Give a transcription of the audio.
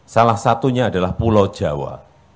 salah satunya adalah pulau jawa